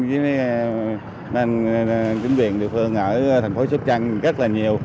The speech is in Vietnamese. với mấy anh chính viện địa phương ở thành phố sóc trăng rất là nhiều